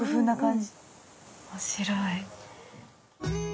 面白い。